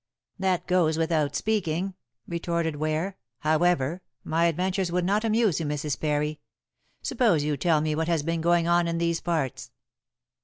"That goes without the speaking," retorted Ware. "However, my adventures would not amuse you, Mrs. Parry. Suppose you tell me what has been going on in these parts?"